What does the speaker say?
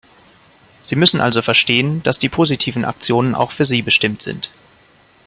Sie müssen also verstehen, dass die positiven Aktionen auch für Sie bestimmt sind.